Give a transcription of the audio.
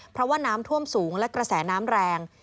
เพราะว่าน้ำท่วมสูงและกระแสน้ำแรง